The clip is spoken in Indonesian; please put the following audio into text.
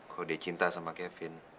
kalau dia cinta sama kevin